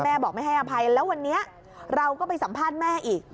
บอกไม่ให้อภัยแล้ววันนี้เราก็ไปสัมภาษณ์แม่อีก